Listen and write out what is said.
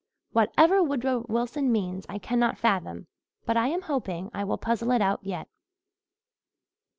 Whatever Woodrow Wilson means I cannot fathom but I am hoping I will puzzle it out yet."